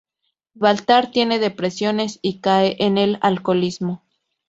Baltar tiene depresiones y cae en el alcoholismo.